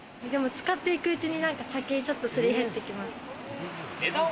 使っていくうちに先がちょっとすり減ってきます。